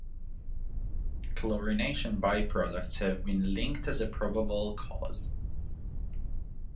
Chlorination by-products have been linked as a probable cause.